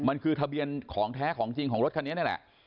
มันคือทะเบียนของแท้ของจริงของรถคันนี้นี่แหละ